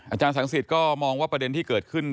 อาจารย์สังสิทธิ์ก็มองว่าประเด็นที่เกิดขึ้น